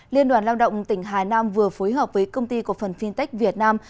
liên đoàn lao động tỉnh hà nam vừa phối hợp với công ty cổ phần fintech việt nam